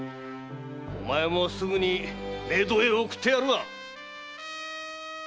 お前もすぐに冥土へ送ってやるわ！